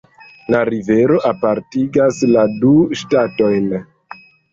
La rivero apartigas la du ŝtatojn.